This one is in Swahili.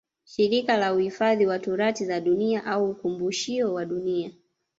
Shirika la Uifadhi wa turathi za dunia au ukumbushio wa Dunia